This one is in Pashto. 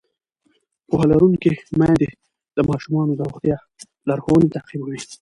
پوهه لرونکې میندې د ماشومانو د روغتیا لارښوونې تعقیبوي.